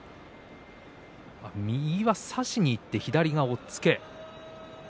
右を差しにいって左押っつけ。